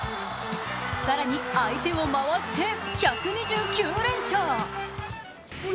更に、相手を回して１２９連勝。